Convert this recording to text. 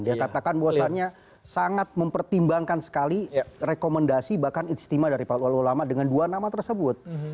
dia katakan bahwasannya sangat mempertimbangkan sekali rekomendasi bahkan ijtima dari para ulama dengan dua nama tersebut